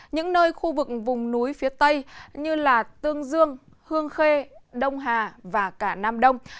những nơi khu vực vùng núi phía tây như tương dương hương khê đông hà và cả nam đông